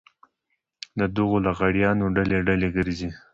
د دغو لغړیانو ډلې ډلې ګرځي.